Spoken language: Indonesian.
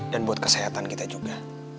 dan buat kesehatan kita juga